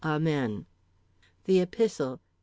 Amen. THE EPISTLE.